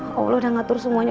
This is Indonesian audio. ya allah udah ngatur semuanya